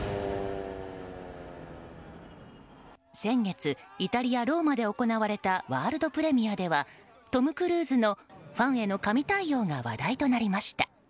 先月イタリア・ローマで行われたワールドプレミアではトム・クルーズのファンへの神対応が話題となりました。